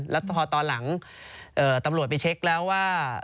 แล้วพอตอนหลังตำรวจไปเช็คแล้วว่า